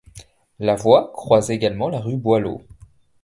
La voie croise également la rue Boileau.